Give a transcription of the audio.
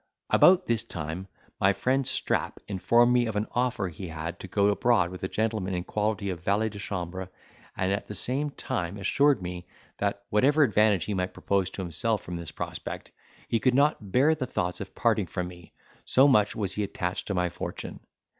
About this time, my friend Strap informed me of an offer he had to go abroad with a gentleman in quality of valet de chambre and at the same time assured me that, whatever advantage he might propose to himself from this prospect, he could not bear the thoughts of parting from me, so much was he attached to my fortune.